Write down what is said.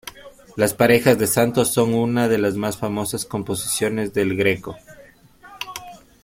Las parejas de santos son una de las más famosas composiciones de El Greco.